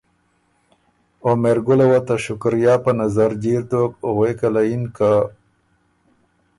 او مهرګله وه ته شکریا په نظر جیر دوک غوېکه له یِن که